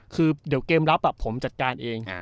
คือเดี๋ยวเกมรับผมจัดการเอง